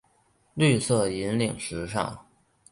绿色引领时尚。